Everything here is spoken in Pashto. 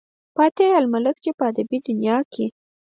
فاتح الملک، چې پۀ ادبي دنيا کښې